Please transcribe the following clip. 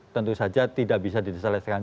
tentu saja tidak bisa diselesaikan